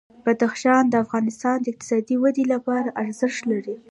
بدخشان د افغانستان د اقتصادي ودې لپاره ارزښت لري.